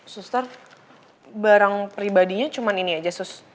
suster barang pribadinya cuma ini aja sus